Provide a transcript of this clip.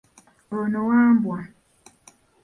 Ono Wambwa.